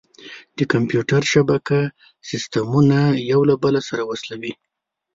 د کمپیوټر شبکه سیسټمونه یو له بل سره وصلوي.